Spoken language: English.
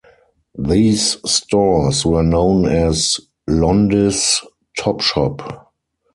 These stores were known as "Londis Topshop".